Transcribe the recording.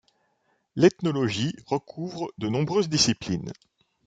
L'ethnologie recouvre de nombreuses disciplines.